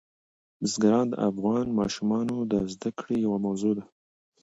بزګان د افغان ماشومانو د زده کړې یوه موضوع ده.